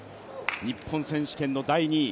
日本選手権の第２位。